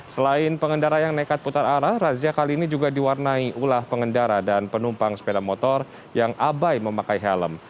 selain pengendara yang nekat putar arah razia kali ini juga diwarnai ulah pengendara dan penumpang sepeda motor yang abai memakai helm